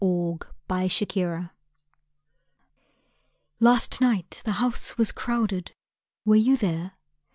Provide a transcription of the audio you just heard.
THREE AT THE OPERA Last night the house was crowded. Were you there?